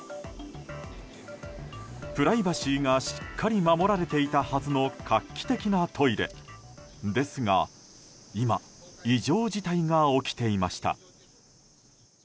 プライバシーがしっかり守られていたはずの画期的なトイレですが今、異常事態が起きていました。